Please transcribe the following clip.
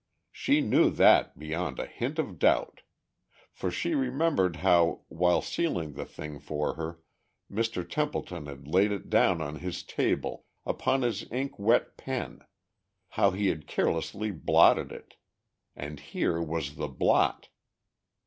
She knew that beyond a hint of doubt. For she remembered how, while sealing the thing for her, Mr. Templeton had laid it down on his table, upon his ink wet pen, how he had carelessly blotted it. And here was the blot!